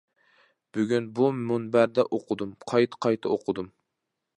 بۈگۈن بۇ مۇنبەردە ئوقۇدۇم، قايتا قايتا ئوقۇدۇم.